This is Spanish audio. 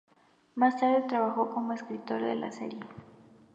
Más tarde trabajó como escritor en la serie.